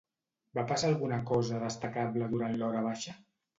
Va passar alguna cosa destacable durant l'horabaixa?